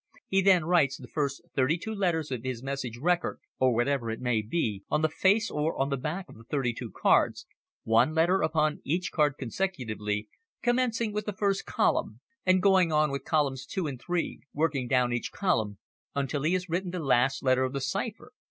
He then writes the first thirty two letters of his message record, or whatever it may be, on the face or on the back of the thirty two cards, one letter upon each card consecutively, commencing with the first column, and going on with columns two and three, working down each column, until he has written the last letter of the cipher.